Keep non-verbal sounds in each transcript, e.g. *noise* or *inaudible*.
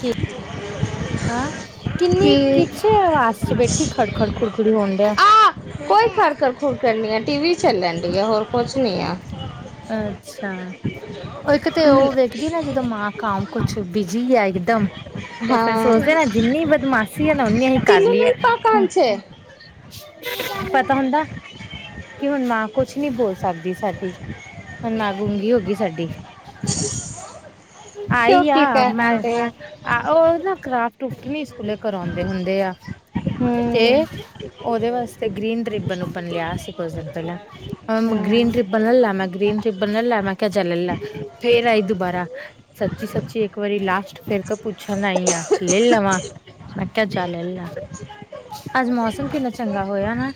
ਕੀ ਹਾਂ ਕਿੰਨੀ ਕਿ ਕਿਛ ਆਵਾਜ਼ 'ਚ ਬੈਠੀ ਖੜ -ਖੜ ਖੁੜ -ਖੁੜ ਹੋਣ ਡਿਆ। ਆ ਕੋਈ ਫਰਕਰ -ਖੁਰਕਰ ਨੀ ਆ ਟੀ -ਵੀ ਚੱਲਣ ਦੇਆ ਹੋਰ। ਕੁਛ ਨੇ ਅੱਛਾ, ਉਹ ਇੱਕ ਤੇ ਉਹ ਵੇਖਦੀ ਨਾ ਜਦੋਂ ਮਾਂ *unintelligible* ਤੇ ਫਿਰ ਹਾਂ ਸੋਚਦੇ ਨਾ ਜਿੰਨੀ ਬਦਮਾਸ਼ੀ ਹੈ ਨਾ, ਓਨੀ ਅਸੀਂ ਤਿੰਨ ਕਰ ਲਈਏ ਨਹੀਂ ਹੁ ਪਾਕਾਨ ਪਤਾ ਹੁੰਦਾ। ਕਿ ਹੁਣ ਮਾਂ ਕੁਛ ਨਹੀਂ ਬੋਲ ਸਕਦੀ ਸਾਡੀ, ਹੁਣ ਮਾਂ ਗੂੰਗੀ ਹੋ ਗਈ ਸਾਡੀ *inaudible* *unintelligible* ਕਿਉਂ ਕੀ ਆਹ ਕਹਿੰਦੇ ਆ ਉਹ ਨਾ ਕਰਾਫਟ- ਕਰੂਫਟ ਵੀ ਸਕੂਲੇ ਕਰਾਉਂਦੇ ਹੁੰਦੇ ਆ। ਹੂੰ ਤੇ ਉਹਦੇ ਵਾਸਤੇ ਗ੍ਰੀਨ ਰਿੱਬਨ- ਉਬਣ ਲਿਆ ਸੀ, ਕੁੱਝ ਦਿਨ ਪਹਿਲਾਂ ਅਹ ਗ੍ਰੀਨ ਹੂੰ ਰੀਬਨ ਲੈਲਾ, ਮੈ ਗ੍ਰੀਨ ਰੀਬਨ ਲੈਲਾ, ਮੈਂ ਕਿਹਾ ਜਾ ਲੈਲਾ, ਫੇਰ ਆਈ ਦੁਬਾਰਾ ਸੱਚੀ- ਸੱਚੀ ਇੱਕ ਵਾਰੀ ਲਾਸਟ ਫੇਰ ਤੋਂ ਪੁੱਛਣ ਆਈ ਆਂ, ਲੈ ਲਵਾਂ। ਮੈਂ ਕਿਹਾ ਜਾ ਲੈਲਾ, ਅੱਜ ਮੌਸਮ ਕਿੰਨਾ ਚੰਗਾ ਹੋਇਆ ਨਾ।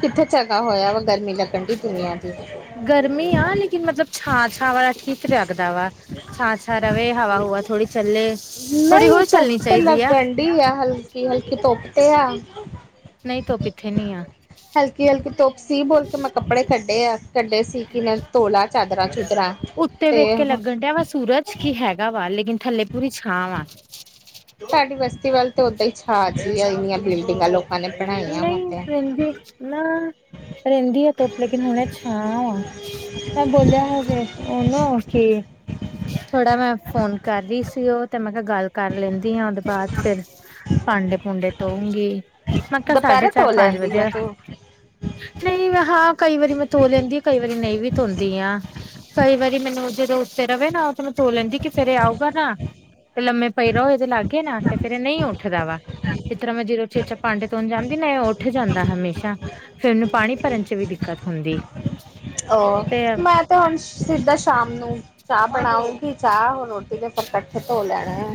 ਕਿੱਥੇ ਚੰਗਾ ਹੋਇਆ ਵਾ, ਗਰਮੀ ਲੱਗਣ ਦੀ ਦੁਨੀਆਂ ਦੀ ਗਰਮੀ ਆ, ਲੇਕਿਨ ਮਤਲਬ ਛਾਂ -ਛਾਂ ਵਾਲਾ ਠੀਕ ਲਗਦਾ ਵਾ। ਛਾਂ- ਛਾ ਰਵੇ ਹਵਾ -ਹੁਵਾ ਥੋੜੀ ਚੱਲੇ। ਥੋੜ੍ਹੀ ਨਹੀਂ ਹੋਰ ਚੱਲਣੀ ਧੁੱਪ ਤੇ ਚਾਹੀਦੀ ਆ ਲੱਗਣ ਡੀ ਆ, ਹਲਕੀ- ਹਲਕੀ ਧੁੱਪ ਤੇ ਆ। ਨਹੀਂ ਧੁਪ ਇੱਥੇ ਨੀ ਆ। ਹਲਕੀ -ਹਲਕੀ ਧੁੱਪ ਸੀ, ਬਲ ਕੇ ਮੈਂ ਕੱਪੜੇ ਕੱਢੇ ਆ, ਕੱਢੇ ਸੀ ਕਿ ਮੈਂ ਧੋਲਾ ਚਾਦਰਾਂ- ਚੁਦਰਾ ਉਤੇ ਵੇਖ ਕੇ ਲੱਗਣ ਡਿਆ ਵਾ ਸੂਰਜ ਕੀ ਹੈਗਾ ਵਾ ਲੇਕਿਨ ਥੱਲੇ ਪੂਰੀ ਛਾਂ ਵਾ। ਤੁਹਾਡੀ ਬਸਤੀ ਵੱਲ ਤੇ ਓਦਾਂ ਹੀ ਛਾਂ ਇੰਨੀਆਂ ਬਿਲਡਿੰਗਾਂ ਲੋਕਾਂ ਨੇ। ਬਣਾਈਆਂ ਵਾ ਨਈ ਤੇ ਰਹਿੰਦੀ ਨਾ ਰਹਿੰਦੀ ਹੈ ਧੁਪ ਲੇਕਨ ਹੁਣੇ ਛਾਂ ਵਾ। ਤਾਂ ਬੋਲਿਆ ਹੋਵੇ ਉਹਨੂੰ ਕਿ ਥੋੜਾ ਮੈਂ ਫੋਨ ਕਰ ਰੀ ਸੀ ਉਹ ਤੇ ਮੈਂ ਕਿਹਾ ਗੱਲ ਕਰ ਲੈਂਦੀ ਹਾਂ ਉ ਬਾਦ ਫੇਰ ਭਾਂਡੇ ਭੂੰਡੇ ਤੋਉਂਗੀ। ਮਕਾ ਸਾਢੇ ਦੁਪਹਿਰੇ ਚਾਰ, ਧੋ ਪੰਜ ਲੈਂਦੀ ਆ ਵਜਿਆ ਏ। ਤੂੰ ਨਈ ਮੈਂ ਹਾਂ ਕਈ ਵਾਰੀ ਮੈਂ ਧੋ ਲੈਂਦੀ ਆ ਕਈ ਵਾਰੀ ਨਹੀਂ ਵੀ ਧੋਂਦੀ ਆ। ਕਈ ਵਾਰੀ ਮੈਨੂੰ ਜਦੋਂ ਉੱਤੇ ਰਹੇ ਨਾ ਉਹ ਤੇ ਮੂੰ ਤੋ ਲੈਂਦੀ ਕਿ ਫੇਰ ਆਊਗਾ ਨਾ। ਤੇ ਲੰਮੇ ਪਏ ਰਹੋ ਇਹਦੇ ਲਾਗੇ ਏ ਨਾ ਤੇ ਫੇਰ ਇਹ ਨੀ ਉੱਠਦਾ ਵਾ ਜਿਸ ਤਰ੍ਹਾਂ ਮੈਂ ਜੀਰੋ ਚੇਚਾ ਪਾਂਡੇ ਧੋਨ ਜਾਂਦੀ ਨਾ ਉੱਠ ਜਾਂਦਾ ਹਮੇਸ਼ਾ ਫੇਰ ਇੰਨ ਪਾਣੀ ਭਰਨ ਚ ਵੀ ਦਿੱਕਤ ਹੁੰਦੀ। ਤੇ ਉਹਹ ਮੈਂ ਤੇ ਹੁਣ ਸਿੱਧਾ ਸ਼ਾਮ ਨੂੰ। ਚਾਹ ਬਣਾਉਗੀ ਚਾਹ ਉਹ ਰੋਟੀ ਤੇ ਫਿਰ ਕੱਠੇ ਧੋ ਲੈਣਾ।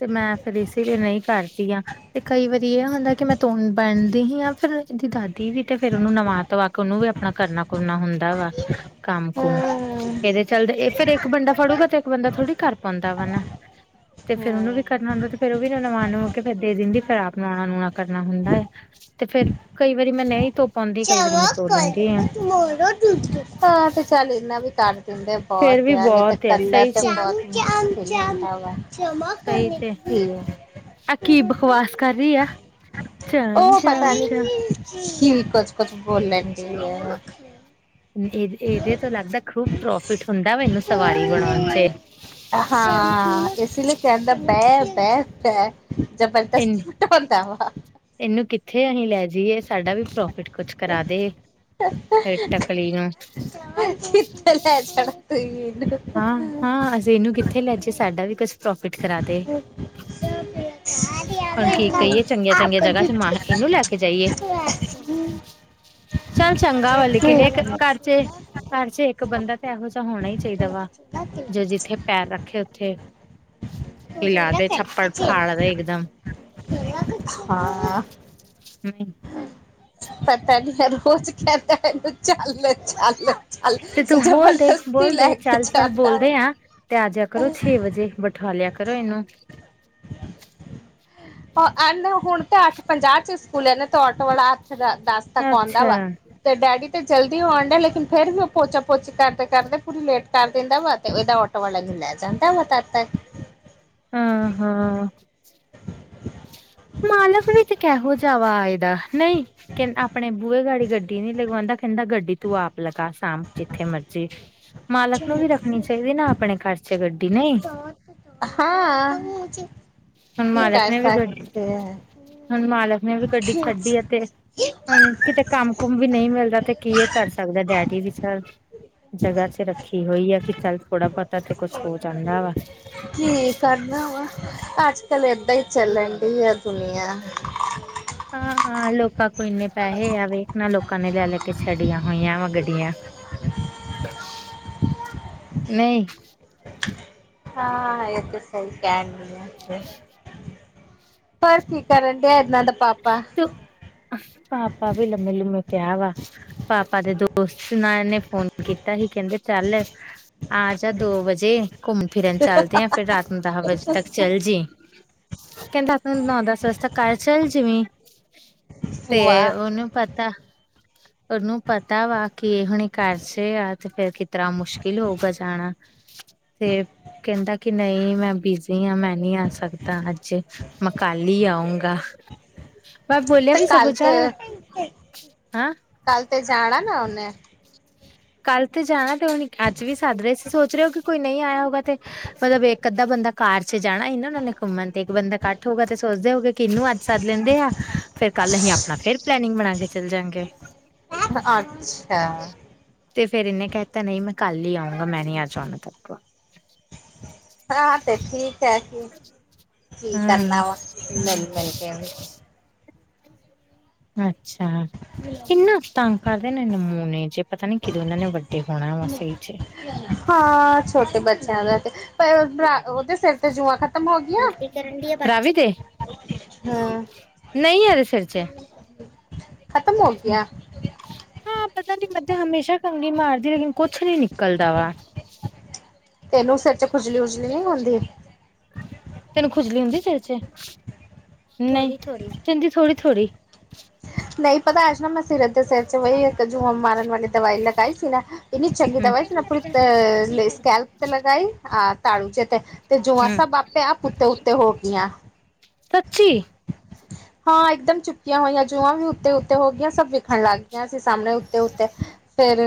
ਤੇ ਮੈਂ ਫਿਰ ਇਸ ਲਈ ਨਈ ਕਰਦੀ ਹਾਂ ਤੇ ਕਈ ਵਾਰੀ ਇਹ ਹੁੰਦਾ ਕਿ ਮੈਂ ਧੋਣ ਬਣਦੀ ਹੀ ਆ ਫਿਰ ਦੀ ਦਾਦੀ ਵੀ ਤੇ ਫ਼ਿਰ ਉਹਨੂੰ ਨਵਾ ਤਵਾ ਕੇ ਉਹਨੂੰ ਵੀ ਆਪਣਾ ਕਰਨਾ ਕੁਰਨਾ ਹੁੰ ਦਾ ਵਾ ਕੰਮ ਕੁਮ। ਇਹਦੇ ਚਲਦੇ ਇਹ ਫਿਰ ਇੱਕ ਬੰਦਾ ਫੜੂਗਾ ਤੇ ਇੱਕ ਬੰਦਾ ਥੋੜ੍ਹੀ ਕਰ ਪਾਉਂਦਾ ਵਾ ਨਾ। ਤੇ ਫੇਰ ਉਹਨੂੰ ਹਮ ਵੀ ਕਰਨਾ ਹੁੰਦਾ ਤੇ ਫੇਰ ਉਹ ਵੀ ਨਵਾ ਨਬੂ ਕੇ ਫਿਰ ਦੇ ਦਿੰਦੀ ਫਿਰ ਆਪ ਨੂੰ ਆਣਾ ਨੂਣਾ ਕਰਨਾ ਹੁੰਦਾ ਹੈ। ਤੇ ਫੇਰ ਕਈ ਵਾਰੀ ਮੈਂ ਨਈ ਹਾਂ ਤੇ ਚੱਲ ਇਨਾ ਵੀ ਕਹਿੰਦੇ ਬਹੁਤ ਫੇਰ ਵੀ ਤਿਆ ਨੇ ਤੇ ਬਹੁਤ ਆ ਕਲਰ ਸਹੀ ਤੇ ਚ ਬਹੁਤ *unintelligible* ਵਾ। ਜਮ੍ਹਾਂ ਸਹੀ ਕਰਨ ਚ ਕੀ ਆ ਕੀ ਬਕਵਾਸ ਕਰ ਰਹੀ ਆ ਚਮ ਉਹ ਪਤਾ ਚਮ ਨੀ ਚ ਕੀ ਕੁੱਝ-ਕੁਝ ਬੋਲ ਲੈਂਦੀ ਹੈ। ਇਹ ਇਹਦੇ ਤੋਂ ਲੱਗਦਾ ਖੂਬ ਪ੍ਰੋਫਿਟ ਹੁੰਦਾ ਵ ਇਹਨੂੰ ਸਵਾਰੀ ਬਣਾਉਣ ਚ। ਹਾਂ ਇਸ ਲਈ ਕਹਿੰਦਾ ਬਹਿ-ਬਹਿ ਬੈ ਇਨ ਜਬਰਦਸਤੀ। *inaudible* ਇਹਨੂੰ ਕਿੱਥੇ ਅਹੀ ਲੈ ਜਾਈਏ। ਸਾਡਾ ਵੀ ਪ੍ਰੋਫਿਟ ਕੁਛ ਕਰਾ ਦੇ ਫਿਰ ਟਕਲੀ ਆ। *inaudible* ਹਾਂ-ਹਾਂ ਅਸੀਂ ਇਹਨੂੰ ਕਿੱਥੇ ਲੈਜੇ ਸਾਡਾ ਵੀ ਕੁਛ ਪ੍ਰੋਫਿਟ ਕਰਾ ਦੇ। *inaudible* ਹੁਣ ਕੀ ਕਹੀਏ ਚੰਗੀਆਂ ਚੰਗੀਆਂ ਜਗ੍ਹਾ ਚ ਮ ਇਹਨੂੰ ਲੈ ਕੇ ਜਾਈਏ। ਚੱਲ ਚੰਗਾ ਵਾ ਲੇਕਿਨ ਇਕ ਘਰ ਚ ਘਰ ਚ ਇੱਕ ਬੰਦਾ ਤਾਂ ਇਹੋ ਜਿਹਾ ਹੋਣਾ ਹੀ ਚਾਹੀਦਾ ਵਾ ਜੇ ਜਿੱਥੇ ਪੈਰ ਰੱਖੇ ਉੱਥੇ ਹਿਲਾ ਦੇ ਛੱਪੜ ਫਾੜ ਦੇ ਇਕਦਮ ਹਾਂ *unintelligible* ਪਤਾ ਨੀ ਹਰ ਰੋਜ਼ ਕਹਦਾ ਇੰਨੂੰ ਚੱਲ-ਚੱਲ। ਤੇ ਤੂੰ ਬੋਲਦੇ-ਬੋਲਦੇ ਚੱਲ-ਚੱਲ ਜਾਂਦਾ ਬੋਲਦੇ ਆ। ਤੇ ਆਜਿਆ ਕਰੋ ਛੇ ਵਜੇ ਬਠਾ ਲਿਆ ਕਰੋ ਇਹਨੂੰ। ਇਹਨ ਹੁਣ ਤੇ ਅੱਠ ਪੰਜਾਹ ਚ ਸਕੂਲ ਏ ਨੀ ਤੇ ਆਟੋ ਵਾਲਾ ਦਾ ਦੱਸ ਤੱਕ ਆਉਂਦਾ ਅੱਛਾ ਵਾ। ਤੇ ਡੈਡੀ ਤੇ ਜਲਦੀ ਆਉਣ ਡਿਆ ਲੇਕਿਨ ਫਿਰ ਉਹ ਪੋਚਾ ਪੋਚੀ ਕਰਦੇ ਕਰਦੇ ਪੂਰੀ ਲੇਟ ਕਰ ਦਿੰਦਾ ਵਾ ਤੇ ਇਹਦਾ ਡ ਆਟੋ ਵਾਲਾ ਲੈ ਜਾਂਦਾ ਵਾ ਤਦ ਤੱਕ। ਹਾਂ-ਹਾਂ *inaudible* ਮਾਲਕ ਵਿੱਚ ਕਿਹੋ ਜ ਵ ਆਏ ਦਾ ਨਈ ਕਹ ਆਪਣੇ ਬੂਹੇ ਗੀ ਗੱਡੀ ਨਈ ਲਗਵਾਂਦਾ ਕੈਂਦਾ ਗੱਡੀ ਤੂੰ ਆਪ ਲਗਾ ਸ਼ਾਮ ਜਿੱਥੇ ਮਰਜ਼ੀ ਮਾਲਕ ਨੂੰ ਵੀ ਰੱਖਣੀ ਚਾਹੀਦੀ ਨਾ ਆਪਣੇ ਘਰ 'ਚ ਗੱਡੀ ਨਈ ਹਾਂ ਹੁਣ ਮਾਲਕ ਕਰ ਨੇ ਵੀ ਗ ਸਕਦੇ ਹੈ। ਹੁਣ ਮਾਲਕ ਨੇ ਵੀ ਗੱਡੀ ਛੱਡੀ ਤੇ ਹੁਣ ਕਿਤੇ ਕੰਮ ਕੁਮ ਵੀ ਨਈ ਮਿਲਦਾ ਤੇ ਕੀ ਇਹ ਕਰ ਸਕਦਾ ਡੈਡੀ ਵਿਚਾਰ ਜਗ੍ਹਾ 'ਚ ਰੱਖੀ। ਕੀ ਹੋਈ ਆ ਕਿ ਚੱਲ ਥੋੜਾ ਬੋਤਾ ਤੇ ਕੁਛ ਹੋ ਜਾਂਦਾ ਵਾ ਕੀ ਕਰਨਾ ਵਾ ਅੱਜ ਕੱਲ ਏਦਾਂ ਈ ਚੱਲਣ ਡੀ ਆ ਦੁਨੀਆਂ ਹਾਂ-ਹਾਂ ਲੋਕਾਂ ਕੋਲ ਇੰਨੇ ਪੈਹੇ ਆ ਵੇਖ ਨਾ ਲੋਕਾਂ ਨੇ ਲੈ-ਲੈ ਕੇ ਛੱਡੀਆਂ ਹੋਈਆਂ ਵਾ ਗੱਡੀਆਂ ਨਈ ਹਾਂ ਇਹ ਤਾਂ ਸਈ ਕੈਂਣ ਡੀ ਇਥੇ ਪਰ ਕੀ ਕਰਨ ਡੀਆ ਇਹ ਦਾ ਪਾਪ ਤੇ ਪਾਪਾ ਵੀ ਲੰਮੇ ਲੁੰਮੇ ਪਿਆ ਵਾ ਪਾਪਾ ਦੇ ਦੋਸਤ ਨਾਲ ਨੇ ਫੋਨ ਕੀਤਾ ਹੀ ਕੈਂਦੇ ਸੀ ਚੱਲ ਆ ਜਾ ਦੋ ਵਜੇ ਘੁੰਮ ਫਿਰਨ ਚੱਲਦੇ ਆ ਫਿਰ ਰਾਤ ਨੂੰ ਦਹ ਵਜੇ ਤੱਕ ਚੱਲ ਜੀ ਕੈਂਦਾ ਹ ਨੌ ਦਸ ਵਸ ਤਾਂ ਘਰ ਚੱਲ ਜਵੀਂ ਤੇ ਭੂਆ ਓਨੂੰ ਪਤਾ ਉਹਨੂੰ ਪਤਾ ਵਾ ਕਿ ਇਹ ਹੁਣੇ ਕਰਸੇ ਫਿਰ ਕਿਤਰਾ ਮੁਸ਼ਕਿਲ ਹੋਊਗਾ ਜਾਣਾ ਤੇ ਕੈਂਦਾ ਕਿ ਨਈ ਮੈਂ ਬਿਜ਼ੀ ਆ ਮੈਂ ਨਈ ਆ ਸਕਦਾ ਅੱਜੇ ਮੈਂ ਕੱਲ ਈ ਆਊਂਗਾ। *inaudible* ਤੇ ਕੱਲ ਜਾ ਤੇ ਹਾਂ -ਕੱਲ ਤੇ ਜਾਣਾ ਨਾ ਉਹਨੇ ਕੱਲ ਤੇ ਜਾਣਾ ਤੇ ਹੁਣ ਅੱਜ ਵੀ ਸੱਦ ਰਏ ਸੀ ਸੋਚ ਰਏ ਹੋ ਕਿ ਕੋਈ ਨਈ ਆਇਆ ਹੋਊਗਾ ਤੇ ਮਤਲਬ ਇੱਕ ਅੱਧਾ ਬੰਦਾ ਕਾਰ 'ਚ ਜਾਣਾ ਹੀ ਨਾ ਉਹਨਾਂ ਨੇ ਘੁੰਮਣ ਤੇ ਇੱਕ ਬੰਦਾ ਕੱਠ ਹੋਗਾ ਤੇ ਸੋਚਦੇ ਹੋਗੇ ਕਿ ਈਨੂੰ ਅੱਜ ਸੱਦ ਲੈਂਦੇ ਆ ਫੇਰ ਕੱਲ ਅਸੀਂ ਆਪਣਾ ਫਿਰ ਪਲੈਨਿੰਗ ਬਣਾ ਕੇ ਚੱਲ ਜਾਂਗੇ ਅੱਛਾ ਤੇ ਫਿਰ ਇਹਨੇ ਕਹਿ ਤਾ ਨੀਂ ਮੈਂ ਕੱਲ ਈ ਆਊਂਗਾ ਮੈਂ ਨੀ ਆ ਜਾਂਦਾ ਤੇਕੋ ਹਾਂ ਤੇ ਠੀਕ ਏ ਕੀ-ਕੀ ਕਰਨਾ ਹਮ ਵਾ। ਨਈ ਮਿਲ ਕੇ ਆਵੇ। ਅੱਛਾ ਬਿਲਾ ਇਨਾ ਤੰਗ ਕਰਦੇ ਨੇ ਨਮੂਨੇ ਜੇ ਪਤਾ ਨੀ ਕਿਦੋਂ ਇਹਨਾਂ ਨੇ ਵੱਡੇ ਹੋਣਾ ਵਾ ਸਈ 'ਚ ਹਾਂ ਛੋਟੇ ਬੱਚਿਆਂ ਦਾ ਤੇ ਭਰਾ ਓ ਦੇ ਸਿਰ ਤੇ ਜੂਆਂ ਖਤਮ ਹੋ ਗਈਆਂ ਰਾਵੀ ਹੂੰ। ਨਈ ਅ ਸਿਰ 'ਚ ਖ਼ਤਮ ਹੋ ਗਈਆਂ। ਹਾਂ ਪਤਾ ਨੀ ਮੈਂ ਤੇ ਹਮੇਸ਼ਾ ਕੰਗੀ ਮਾਰਦੀ ਲੇਕਿਨ ਕੁਛ ਨੀ ਨਿਕਲਦਾ ਵਾ। ਤੈਨੂੰ ਸਿਰ 'ਚ ਖੁਜਲੀ ਵੁਜਲੀ ਨੀ ਹੁੰਦੀ। *inaudible* ਤੈਨੂੰ ਖੁਜਲੀ ਹੁੰਦੀ ਸਿਰ 'ਚ ਨਈ ਥੋੜੀ ਕੈਂਦੀ ਥੋੜ੍ਹੀ-ਥੋੜੀ ਨਈ ਪਤਾ ਅਜ ਨਾ ਮੈਂ ਸਿਰ ਦੇ ਸਿਰ 'ਚ ਵਹੀ ਇੱਕ ਜੂਆਂ ਮਾਰਨ ਵਾਲੀ ਦਵਾਈ ਲਗਾਈ ਸੀ ਨਾ। ਇਹਨੀ ਚੰਗੀ ਹੂੰ ਦਵਾਈ ਸੀ ਆਪ ਅ ਸਕੈਲ ਤੇ ਲਗਾਈ ਅਹ ਤਾਲੂ 'ਚ ਤੇ ਤੇ ਜੂਆਂ ਹੂੰ ਸਭ ਆਪੇ ਆਪ ਉੱਤੇ- ਉੱਤੇ ਹੋ ਗਈਆਂ। ਸੱਚੀ! ਹਾਂ, ਇਕਦਮ ਚੁੱਕੀਆਂ ਹੋਈਆਂ ਜੂਆਂ ਵੀ ਉੱਤੇ- ਉੱਤੇ ਹੋ ਗਈਆਂ ਸਭ ਵਖਣ ਲੱਗ ਗਈਆਂ ਸੀਂ ਸਾਹਮਣੇ ਉੱਤੇ- ਉੱਤੇ। ਫੇਰ,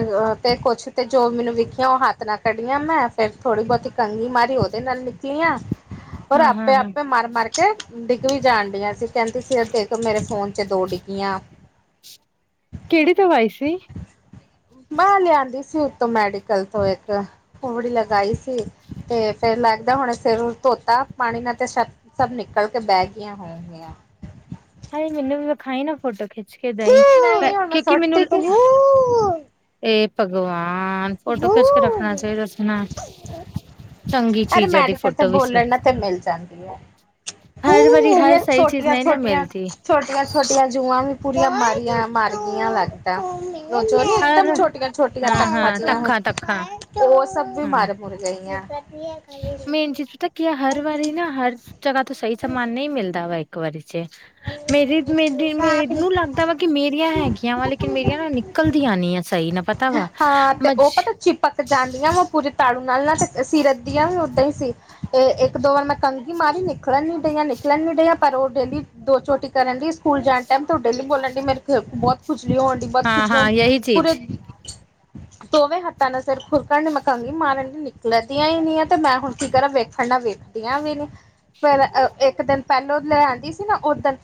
ਤੇ ਕੁਛ ਤੇ ਜੋ ਮੈਨੂੰ ਵੇਖੀਆਂ ਉਹ ਹੱਥ ਨਾਲ ਕੱਢੀਆਂ ਮੈਂ, ਫੇਰ ਥੋੜੀ -ਬੋਹਤੀ ਕੰਘੀ ਮਾਰੀ ਉਹਦੇ ਨਾਲ ਨਿਕਲੀਆਂ। ਹੋਰ ਹਾਂ ਹਾਂ ਆਪੇ- ਹਾਂ ਆਪੇ, ਮਾਰ- ਮਾਰ ਕੇ, ਡਿੱਗ ਵੀ ਜਾਣ ਡੀਆ ਸੀ ਕਹਿੰਦੀ ਸੀ ਦੇਖੋ ਮੇਰੇ ਫੋਨ ਚ' ਦੋ ਡਿਗੀਆਂ। ਕਿਹੜੀ ਦਵਾਈ ਸੀ। ਮੈਂ ਲਿਆਦੀ ਸੀ ਉਤੋਂ ਮੈਡੀਕਲ ਤੋਂ ਇੱਕ, ਥੋੜੀ ਲਗਾਈ ਸੀ। ਤੇ ਫੇਰ ਲੱਗਦਾ ਹੁਣ ਸਿਰ ਧੋਤਾ ਪਾਣੀ ਨਾਲ ਤੇ ਸ਼ਛੱ ਸਭ ਨਿਕਲ ਨਿਕਲ ਕੇ ਬਹਿ ਗੀਆਂ ਹੋਣਗੀਆਂ। ਹਾਂਏ! ਮੈਨੂੰ ਵੀ ਵਿਖਾਈ ਨਾ ਫੋਟੋ ਖਿੱਚ ਕੇ ਦਈ, ਮੈਂ ਨਹੀਂ ਹੁਣ ਕਿਉਂਕਿ ਮੈਨੂੰ ਸੁੱਟਤੀ ਸੀ ਇਹ ਭਗਵਾਨ! ਫੋਟੋ ਖਿੱਚ ਕੇ ਰੱਖਣਾ ਚਾਹੀਦਾ ਸੀ ਨਾ। ਚੰਗੀ ਅਰੇ ਚੀਜ਼ਾਂ ਦੀ ਮੈਡੀਕਲ ਤੇ ਫੋਟੋ ਵੀ ਸੁੱਟ ਬੋਲਣ ਨਾਲ ਤੇ ਮਿਲ ਜਾਂਦੀ ਆ। ਹੂ ਮੇਰੀਆਂ ਛੋਟੀਆਂ- ਛੋਟੀਆਂ ਛੋਟੀਆਂ- ਛੋਟੀਆਂ ਜੂਆਂ ਵੀ ਪੂਰੀਆਂ ਮਾਰੀਆਂ ਮਾਰ ਗੀਆਂ ਲੱਗ ਇੱਕਦਮ ਛੋਟੀਆਂ- ਛੋਟੀਆਂ ਤਖਾ ਜਿ ਉਹ ਸਭ ਵੀ ਮਾਰੇ ਗਈ। ਚੀਜ਼ ਪਤਾ ਕੀ ਹੈ ਹਰ ਵਾਰੀ ਨਾ ਹਰ ਜਗ੍ਹਾ ਤੋਂ ਸਹੀ ਸਮਾਨ ਨਹੀਂ ਮਿਲਦਾ ਵਾ ਇੱਕ ਵਾਰੀ ਚ'। ਮੇਰੀ- ਮੇਰੀ ਮੇਨੂੰ ਲੱਗ ਵਾ ਕਿ ਮੇਰੀਆਂ ਹੈਗੀਆਂ ਵਾ ਲੇਕਿਨ ਮੇਰੀਆਂ ਨਾ ਨਿਕਲਦੀਆਂ ਨ ਆ ਸਹੀ ਨਾ ਪਤਾ ਵਾ ਹਾਂ। ਤੇ ਮਜ ਉਹ ਪਤਾ ਚਿਪਕ ਜਾਂਦੀਆਂ ਵਾ ਪੂਰੇ ਤਾੜੂ ਨਾਲ- ਤੇ ਸੀਰਤ ਦੀਆਂ ਵੀ ਉਓਦਾਂ ਹੀ ਸੀ। ਇੱਕ- ਦੋ ਵਾਰ ਮੈਂ ਕੰਘੀ ਮਾਰੀ, ਨਿਕਲਣ ਨੀ ਡਈ ਹ ਨਿਕਲਣ ਨੀ ਡਈ ਪਰ ਉਹ ਡੇਲੀ ਦੋ ਚ ਛੋਟੀ ਕਰਨ ਦੀ ਸਕੂਲ ਜਾਣ ਟਾਈਮ ਤ ਡੇਲੀ ਬੋਲਣ ਡ ਮੇਰੇ ਬਹੁਤ ਖੁਜਲੀ ਹੋਣ ਡ ਬਦ ਹਾਂ ਹਾਂ ਖੁਜਣੀ ਯਹੀ ਪੂਰੇ ਚੀਜ਼ ਦੋਵੇਂ ਹੱਥਾਂ ਨਾਲ ਸਿਰ ਖੁਰਕਣ ਦੀ ਮੈਂ ਕੰਘ ਮਾਰਨ ਲਈ ਨਿਕਲਦੀਆਂ ਹੀ ਨਹੀਂ ਆ ਤੇ ਮੈਂ ਹੁਣ ਕੀ ਕਰਾਂ ਵੇਖਣ ਨਾਲ ਵੇਖ। ਐਵੀ, ਫਿਰ ਇੱਕ ਦਿਨ ਪਹਿਲੋਂ ਲ ਆਂਦੀ ਸੀ ਨਾ ਦਿਨ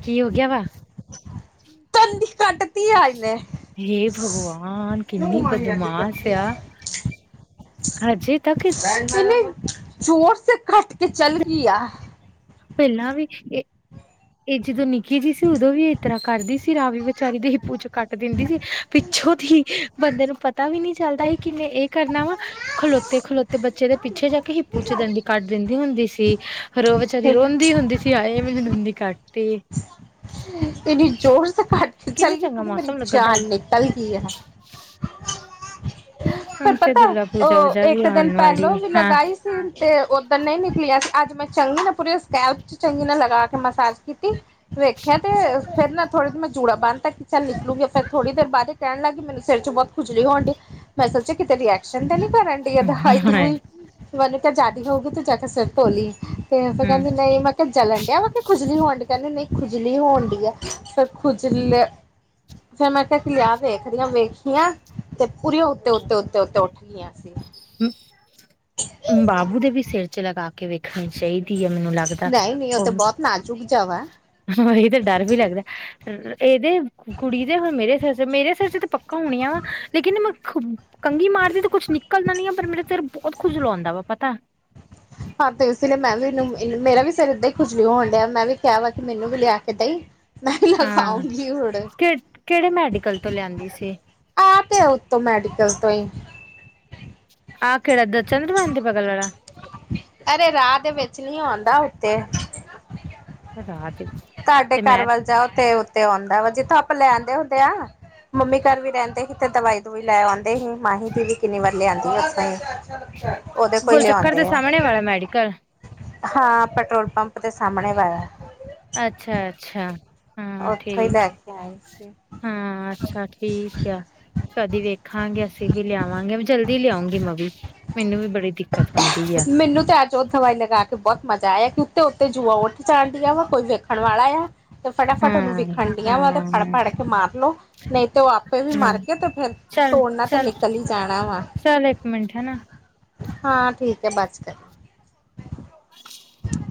ਕੀ ਹੋ ਗਿਆ ਵਾ? ਬੰਦੀ ਕੱਟ ਤ ਆਜ ਨੇੇ। ਹੇ ਭਗਵਾਨ! ਕਿੰਨੀ ਬਦਮਾਸ਼ ਇਹਨੇ ਆ। ਹਜੇ ਤੱਕ ਮਨੇ ਜ਼ੋਰ ਸ ਕੱਟ ਕੇ ਚਲ ਗਿਆ। ਭਿੰਨਾ ਵੇ, ਇਹ ਜਦੋਂ ਨਿੱਕੀ ਜਿਹੀ ਸੀ ਉਦੋਂ ਵੀ। ਤ੍ਹਾਂ ਕਰਦੀ ਸੀ ਰਾਵੀ ਵਿਚਾਰੀ ਦੇ ਹਿੱਪੂ ਚ' ਕੱਟ ਦਿੰਦੀ ਸੀ। ਪੱਛੋ ਬੰਦੇ ਨੂੰ ਪਤਾ ਵੀ ਨਹੀਂ ਚੱਲਦਾ ਸੀ ਕਿਵੇਂ ਇਹ ਕਰਨਾ ਵਾ। ਖਲੋਤੇ- ਖਲੋਤੇ ਬੱਚੇ ਦੇ ਪਿੱਛੇ ਜਾ ਕੇ ਹਿੱਪੂ ਚ' ਦੰਡੀ ਕੱਢ ਦਿੰਦੀ ਹੁੰਦੀ ਸੀ। ਰੋਵਤ ਬਚਾਰੀ ਰੋਂਦੀ ਹੁੰਦੀ ਸੀ ਆਏ ਮੈਨੂੰ ਦਿੰਦੀ ਕੱਟ ਇੰਨੀ ਜ਼ੋਰ ਸ ਕੱਟ ਕੇ ਕਿੰਨਾ ਚੱਲ ਗਈ ਚੰਗਾ ਪੂਨ ਮੇਰੀ ਮੌਸਮ ਲੱਗਣ ਡਿਆ ਜਾਨ ਨਿਕਲ ਗਈ ਹੈ। ਪਰ ਹੁਣ ਤੇ ਪਤਾ ਦੁਰਗਾ ਪੂਜਾ ਜਾ ਉਹ ਵੀ ਇੱਕ ਦਿਨ ਆਉਣ ਪਹਿਲੋਂ ਵਾਲੀ ਵੀ ਹਾਂ। ਲਗਾਈ ਤੇ ਉਧਰ ਨਹੀਂ ਨਿਕਲੀਆਂ ਸੀ ਅੱਜ ਮੈਂ ਚੰਗੀ ਨਾ ਪੂਰੀ ਸ਼ਲ। ਚੰਗੀ ਨਾਲ ਲਗਾ ਕੇ ਮਸਾਜ ਕੀਤੀ। ਵੇਖਿਆ ਤੇ ਫੇਰ ਨਾ ਥੋੜੀ ਰ ਮੈਂ ਜੂੜਾ ਬੰਣ ਤ ਕਿ ਚੱਲ ਨਿਕਲੂਗੀ ਫਿਰ ਥੋੜੀ ਦੇਰ ਬਾਅਦ ਕਹਿਣ ਲੱਗਗੀ ਮੈਨੂੰ ਸਿਰ ਚ' ਬਹੁਤ ਖੁਜਲੀ ਹੋਣ ਡਈ, ਮੈਂ ਸੋਚਿਆ ਕਿਤੇ ਰਿਐਕਸ਼ਨ ਤੇ ਨੀ ਕਰਨ ਡ ਦਹਾਈ ਹਾਏ ਦੂਈ। ਮੈਨੂੰ ਕਿਹਾ ਜ਼ਿਆਦੀ ਹੋਊਗੀ ਤੂੰ ਜਾ ਸਿਰ ਧੋ ਲੀ। ਤੇ ਫਿਰ ਹਮ ਕਹਿੰਦੀ ਨਹੀਂ ਮੈਂ ਜਲਣ ਡਿਆ ਵ ਕਿ ਖੁਜਲੀ ਹੋਣ ਡ ਕਹਿੰਦੇ ਨਹੀਂ ਖੁਜਲੀ ਹੋਣ ਡਈ ਆ। ਫਿਰ ਖੁਜਲੇ ਫੇਰ ਮੈਂ ਕਿਆ ਕਿ ਆ ਵੇਖਦੀਆਂ ਵੇਖੀਆਂ ਤੇ ਪੂਰੀਆਂ ਉੱਤੇ, ਉੱਤੇ, ਉ ਤੇ ਉੱਤੇ ਉਠਦੀ ਆ ਸੀ ਮੈ। ਬਾਬੂ ਦੇ ਵੀ ਸਿਰ 'ਚ ਲਗਾ ਕੇ ਵੇਖ ਖਾਨੀ ਚਾਈਦੀ ਆ ਮੇਂਨੂੰ ਲੱਗਦਾ। ਨਹੀਂ ਨਹੀਂ ਉਹ ਤੇ ਬਹੁਤ ਨਾਜ਼ੁਕ ਜਾ ਵਾ। ਹਾਂ ਏ ਤਾਂ ਡਰ ਵੀ ਲੱਗਦਾ। ਏਦੇ ਕੁ ਕੁੜੀ ਦੇ ਹੁਣ ਮੇਰੇ ਸਿਰ 'ਚ, ਮੇਰੇ ਸਿਰ 'ਚ ਤੇ ਪੱਕਾ ਹੋਣੀਆਂ ਲੇਕਿਨ ਮੈਂ ਖੁਬ ਕੰਘੀ ਮਾਰਦੀ ਤੇ ਕੁੱਛ ਨਿਕਲਦਾ ਨੀ ਆ, ਪਰ ਮੇਰਾ ਸਿਰ ਬੋਤ ਖੁਝਲੋਂਦਾ ਵਾ ਪਤੈ। ਹਾਂ ਤੇ ਇਸ ਲਈ ਮੈਂ ਵੀ ਨਈ ਏ ਮੇਰਾ ਵੀ ਸਿਰ ਏਦਾਂ ਹੀ ਖੁਝਲਵਾਂ ਹੁੰਡੈ ਮੈਂ ਵੀ ਕਿਹਾ ਵਾ ਕਿ ਮੈਨੂੰ ਵੀ ਲਿਆ ਕੇ ਦਈ। ਨਈ ਮੈਂ ਖਾਂਊਂਗੀ ਹੁੜ ਕੇੜੇ ਮੈਡੀਕਲ ਤੋਂ ਲਿਆਂਦੀ ਸੀ? ਆ ਪਿਐ ਉੱਤੇ ਮੈਡੀਕਲਸ ਤੇ। ਆ ਕੇੜਾ ਦ ਚੰਦ *unintelligible* ਦੇ ਬਗਲ ਵਾਲਾ? ਅਰੇ ਰਾਅ ਦੇ ਵਿੱਚ ਨੀ ਆਉਂਦਾ ਉੱਤੇ। ਰਾਜ ਤਾਡੇ ਤੇ ਘਰ ਮੈਂ ਵੱਲ ਜਾਓ ਤੇ ਉੱਤੇ ਆਉਂਦਾ ਵਾ, ਜਿੱਥੋਂ ਆਪਾਂ ਲੈਦੇ ਹੁੰਦੇ ਆਂ। ਮੰਮੀ ਘਰ ਵੀ ਰੈਂਦੇ ਸੀ ਤੇ ਦਵਾਈ-ਦਵੁਈ ਲੈ ਆਉਂਦੇ ਹੀ, ਮਾਹੀ ਦੀ ਵੀ ਕਿੰਨੀ ਵਾਰੀ ਲੈ ਆਂਦੀ ਏ ਓਸ ਤੋੰ ਈ। ਓਦੇ ਕੋ ਈ ਗੋਲ ਲੈਅ ਚੱਕਰ ਦੇ ਆਂਦੇ ਆਂ। ਸਾਹਮਣੇ ਵਾਲਾ ਮੈਡੀਕਲ ਹਾਂ ਪੈਟਰੋਲ ਪੰਪ ਦੇ ਸਾਮਣੇ ਵਾਲਾ। ਅੱਛਾ, ਅੱਛਾ। ਹਾਂ ਉੱਥੋਂ ਈ ਠੀਕ ਲੈ ਹੈ ਕੇ ਆਏ ਸੀ। ਹਾਂ, ਅੱਛਾ ਠੀਕ ਏਆ। ਕਦੀ ਵੇਖਾਂਗੇ, ਅਸੀ ਵੀ ਲਿਆਵਾਂਗੇ ਵ ਜਲਦੀ ਲਿਆਉਂਗੀ ਮੈਂ ਵੀ। ਮੇਂਨੂੰ ਵੀ ਬੜੀ ਦਿੱਕਤ ਹੁੰਦੀ ਆ ਮੇਂਨੂੰ ਤਾਂ ਤੇ ਓ ਦਵਾਈ ਲਗਾ ਕੇ ਬੋਤ ਮਜਾ ਆਇਆ ਕਿ ਉੱਤੇ-ਉੱਤੇ ਜੂਆਂ ਉੱਠ ਜਾਣਦੀਆਂ ਵਾ। ਕੋਈ ਵੇਖਣ ਵਾਲਾ ਐ। ਤੇ ਫਟਾਫਟ ਓਨੂੰ ਹਾਂ ਵਿਖਣ ਡੀਆਂ ਵਾ ਤੇ ਹਾਂ ਫੜ-ਫੜ ਕੇ ਮਾਰ ਲੋੋ ਨਈ ਤੋ ਓ ਆਪ ਤੇ ਵੀ ਮਰ ਕੇ ਤੇ ਫੇਰ ਤੋੜਨਾ ਤੇ ਨਿਕਲ ਈ ਜਾਣਾ ਵਾ। ਮਿੰਠ ਨਾ ਹਾਂ, ਠੀਕ ਐ ਬਸ ਕਰ। *unintelligible*